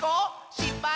しっぱい？